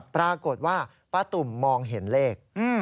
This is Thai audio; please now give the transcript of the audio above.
ปรากฏว่าป้าตุ่มมองเห็นเลข